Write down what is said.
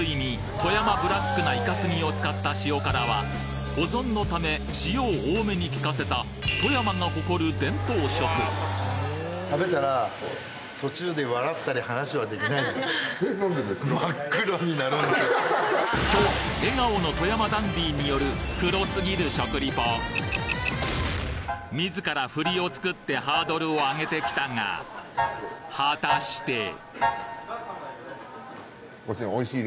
富山ブラックなイカ墨を使った塩辛は保存のため塩を多めに利かせた富山が誇る伝統食と笑顔の富山ダンディーによる自らフリを作ってハードルを上げてきたが果たしてはい。